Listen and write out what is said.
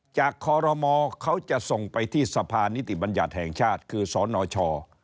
คอรมอเขาจะส่งไปที่สะพานนิติบัญญัติแห่งชาติคือสนช